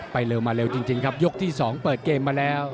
เร็วมาเร็วจริงครับยกที่๒เปิดเกมมาแล้ว